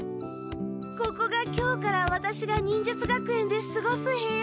ここが今日からワタシが忍術学園ですごす部屋。